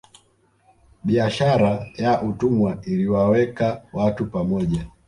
Biashara ya utumwa iliwaweka watu pamoja